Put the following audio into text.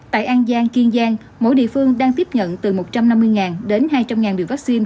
tại an giang kiên giang mỗi địa phương đang tiếp nhận từ một trăm năm mươi đến hai trăm linh điều vaccine